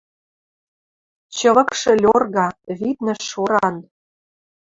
Чывыкшы льорга, виднӹ шоран